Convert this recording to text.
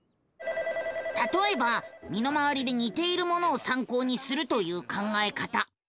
たとえば身の回りでにているものをさんこうにするという考え方。